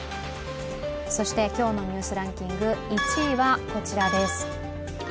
そして、今日の「ニュースランキング」１位はこちらです。